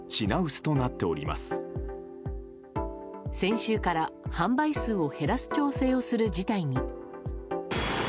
先週から販売数を減らす調整をする事態に。